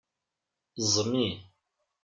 Ẓmi.